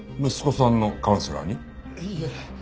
いえ。